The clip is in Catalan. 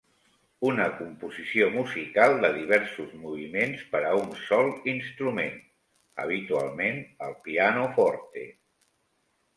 Una composició musical de diversos moviments per a un sol instrument (habitualment el pianoforte),